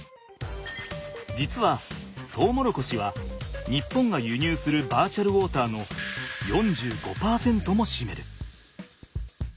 実はトウモロコシは日本が輸入するバーチャルウォーターの４５％もしめる。